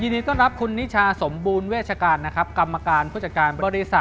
สวัสดีครับคุณเว